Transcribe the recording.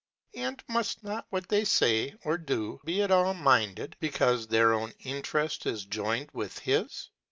and muft not what they fay or do be at all minded, becaufe their own Intereft is joyned with his